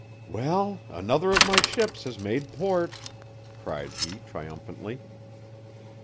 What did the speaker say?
"Well, another of my ships has made port!" cried he triumphantly.